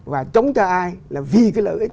và chống cho ai là vì cái lợi ích